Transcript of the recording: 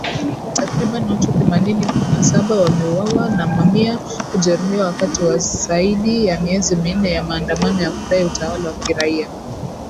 Takribani watu themanini na saba wameuawa na mamia kujeruhiwa wakati wa zaidi ya miezi minne ya maandamano ya kudai utawala wa kiraia